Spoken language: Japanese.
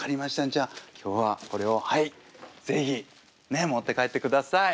じゃあ今日はこれをはい是非持って帰ってください。